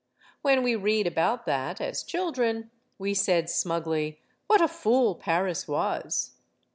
When we read about that, as children, we said smugly: "What a fool Paris was!"